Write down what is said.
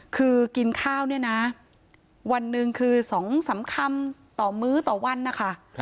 คือกินข้าวเนี่ยนะวันหนึ่งคือ๒๓คำต่อมื้อต่อวันนะคะ